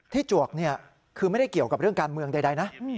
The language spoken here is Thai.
จวกคือไม่ได้เกี่ยวกับเรื่องการเมืองใดนะ